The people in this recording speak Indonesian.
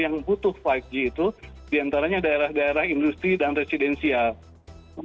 yang butuh lima g itu diantaranya daerah daerah industri dan residensial